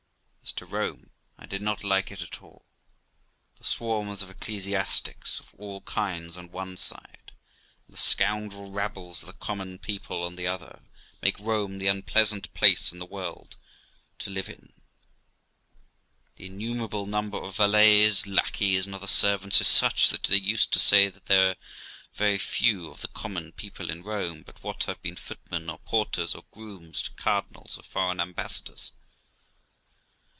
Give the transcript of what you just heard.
As to Rome, I did not like it at all. The swarms of ecclesiastics of all kinds on one side, and the scoundrel rabbles of the common people on the other, make Rome the unpleasantest place in the world to live in. The innumerable number of valets, lackeys, and other servants is such that they used to say that there are very few of the common people in Rome but what have been footmen, or porters, or grooms to cardinals or 254 THE LIFE OF ROXANA foreign ambassadors.